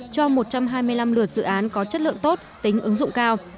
cho một trăm hai mươi năm lượt dự án có chất lượng tốt tính ứng dụng cao